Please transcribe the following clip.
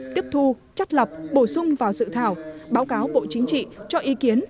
tiếp thu chất lập bổ sung vào dự thảo báo cáo bộ chính trị cho ý kiến